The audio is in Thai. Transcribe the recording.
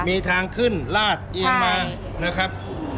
มีทางขึ้นลาดเอียงมานะครับ